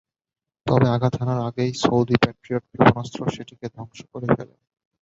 তবে আঘাত হানার আগেই সৌদি প্যাট্রিয়ট ক্ষেপণাস্ত্র সেটিকে ধ্বংস করে ফেলে।